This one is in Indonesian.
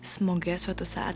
semoga suatu saat